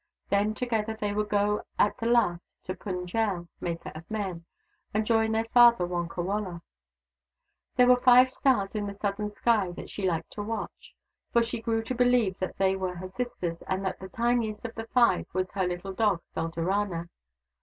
Then, together, they would go at the last to Pund jel, Maker of Men, and join their father Wonkawala. There were five stars in the southern sky that she liked to watch, for she grew to believe that they were her sisters, and that the tiniest of the five was her little dog Dulderana.